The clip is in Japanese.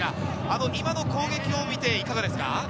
今の攻撃を見ていかがですか？